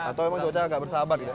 atau cuaca nggak bersahabat gitu ya